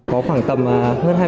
có khoảng tầm hơn hai mươi